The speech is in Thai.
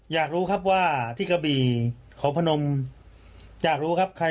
อยากรู้ครับว่าที่กระบี่เขาพนมอยากรู้ครับ